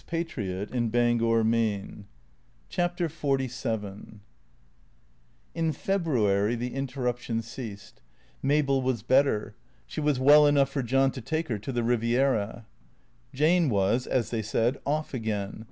" said she in a voice that irritated Henr} XLVII IN February the interruption ceased. Mabel was better. She was well enough for John to take her to the Eiviera. Jane was, as they said, " off " again.